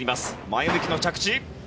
前向きの着地。